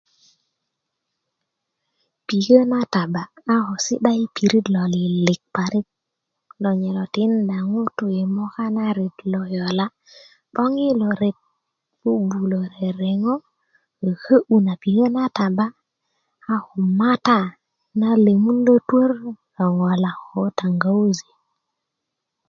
pikö na taba a ko si'da yi pirit lo lilik parik lo nye lo tinda ŋutu' yi moka na ret lo yola' 'boŋ yi lo ret bubuö rereŋo ko köyu na pikö na taba a ko mata na lemun lo twör ko taŋgawji